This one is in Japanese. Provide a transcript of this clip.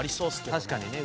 確かにね。